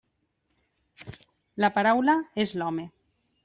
La paraula és l'home.